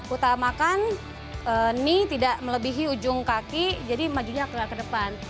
utamakan mie tidak melebihi ujung kaki jadi majunya ke depan